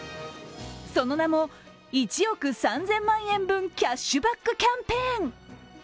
その名も、１億３０００万円分キャッシュバックキャンペーン。